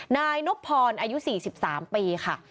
นายนบพรอายุ๔๓ปีค่ะ